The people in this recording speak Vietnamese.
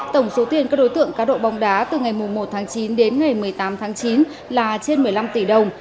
tổng số tiền các đối tượng cá độ bóng đá từ ngày một tháng chín đến ngày một mươi tám tháng chín là trên một mươi năm tỷ đồng